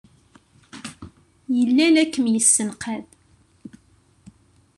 Yella la kem-yessenqad.